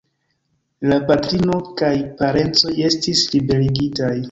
La patrino kaj parencoj estis liberigitaj.